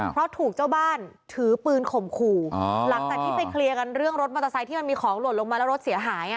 เพราะถูกเจ้าบ้านถือปืนข่มขู่หลังจากที่ไปเคลียร์กันเรื่องรถมอเตอร์ไซค์ที่มันมีของหล่นลงมาแล้วรถเสียหาย